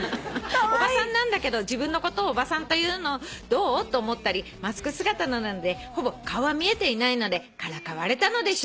「おばさんなんだけど自分のことを『おばさん』と言うのをどう？と思ったりマスク姿なのでほぼ顔は見えていないのでからかわれたのでしょうかね」